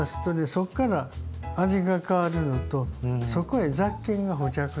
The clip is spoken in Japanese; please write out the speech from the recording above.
そこから味が変わるのとそこへ雑菌が付着するの。